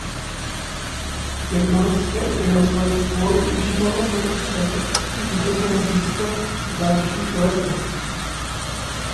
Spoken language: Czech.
Germánské obyvatelstvo využívalo toto strategicky výhodné místo v dalších letech.